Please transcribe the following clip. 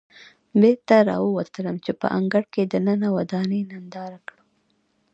بېرته راووتلم چې په انګړ کې دننه ودانۍ ننداره کړم.